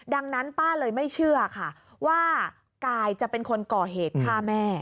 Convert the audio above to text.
ดังนั้นป้าเลยไม่เชื่อค่ะว่ากายจะเป็นคนก่อเหตุฆ่าแม่